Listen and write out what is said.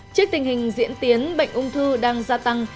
trước tình hình diễn tiến bệnh ung thư đang gia tăng